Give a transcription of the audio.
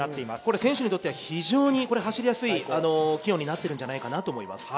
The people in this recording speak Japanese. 選手にとっては非常に走りやすい気温になっているんじゃないかと思います。